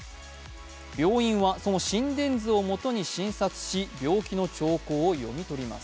病院はその心電図をもとに診察し、病気の兆候を読み取ります。